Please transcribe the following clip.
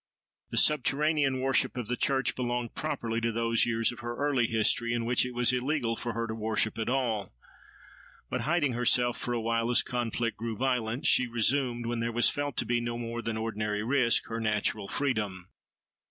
The subterranean worship of the church belonged properly to those years of her early history in which it was illegal for her to worship at all. But, hiding herself for awhile as conflict grew violent, she resumed, when there was felt to be no more than ordinary risk, her natural freedom.